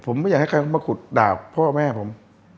ผมไม่อยากให้ใครมาขุดด่าพ่อแม่ผม